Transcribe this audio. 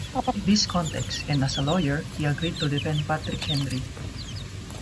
In this context, and as a lawyer, he agreed to defend Patrick Henry.